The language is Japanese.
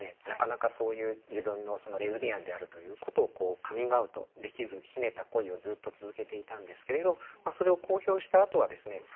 なかなかそういう自分のレズビアンであるということをカミングアウトできず秘めた恋をずっと続けていたんですけれどそれを公表したあとはですね